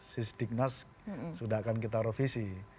sisdiknas sudah akan kita revisi